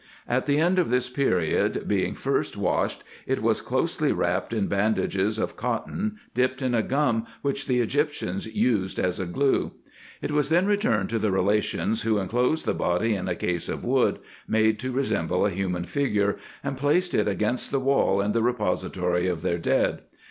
At the end of this period, being first washed, it was closely wrapped in bandages of cotton, dipped in a gum, which the Egyptians used as a glue. It was then returned to the relations, who enclosed the body in a case of wood, made to resemble a human figure, and placed it against the wall in the repository of their dead.